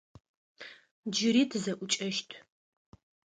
Джыри тызэӏукӏэщт.